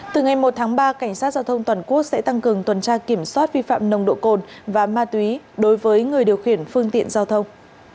từ ngày một tháng ba cảnh sát giao thông toàn quốc sẽ tăng cường tuần tra kiểm soát vi phạm nồng độ cồn và ma túy đối với người điều khiển phương tiện giao thông